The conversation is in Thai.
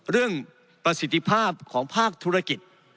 ประสิทธิภาพของภาคธุรกิจ